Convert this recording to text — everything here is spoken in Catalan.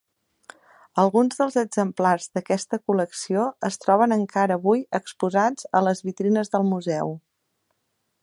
Alguns dels exemplars d'aquesta col·lecció es troben encara avui exposats a les vitrines del Museu.